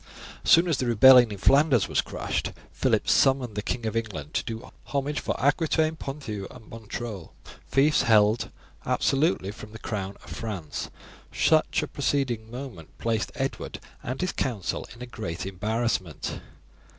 As soon as the rebellion in Flanders was crushed, Phillip summoned the King of England to do homage for Aquitaine, Ponthieu and Montreuil, fiefs held absolutely from the crown of France. Such a proceeding placed Edward and his council in a great embarrassment.